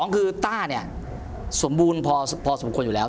คือต้าเนี่ยสมบูรณ์พอสมควรอยู่แล้ว